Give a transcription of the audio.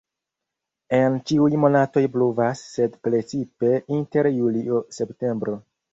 En ĉiuj monatoj pluvas, sed precipe inter julio-septembro.